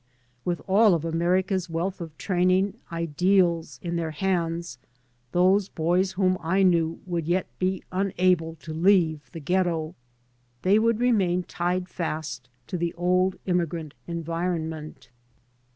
With all of America's wealth of training, ideals, in their hands, those boys whom I knew would yet be unable to leave the ghetto. They would remain tied fast to the old immigrant environment.